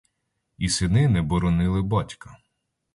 І сини не боронили батька.